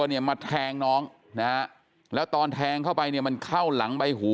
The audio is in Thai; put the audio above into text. เนี่ยมาแทงน้องนะฮะแล้วตอนแทงเข้าไปเนี่ยมันเข้าหลังใบหู